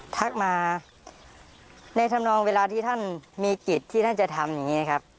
ทักมาในธรรมนองเวลาที่ท่านมีกิจที่ท่านจะทำอย่างนี้นะครับ